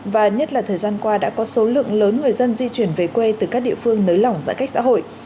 và nhất là thời gian qua đã có số lượng lớn người dân di chuyển về quê từ các địa phương nới lỏng giãn cách xã hội